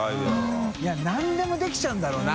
覆鵑任できちゃうんだろうな。